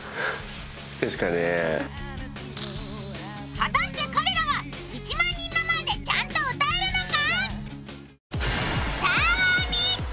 果たして彼らは１万人の前でちゃんと歌えるのか。